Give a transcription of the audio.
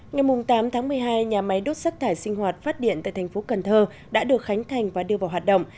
ngày tám tháng một mươi hai nhà máy đốt rác thải sinh hoạt phát điện tại thành phố cần thơ đã được khánh thành và đưa vào hoạt động